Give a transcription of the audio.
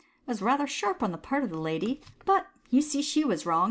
It was rather sharp on the part of the lady, but you see she was wrong.